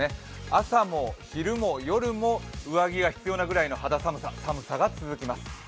朝も昼も夜も上着が必要なくらいの肌寒さが続きます。